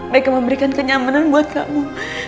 mereka memberikan kenyamanan buat kamu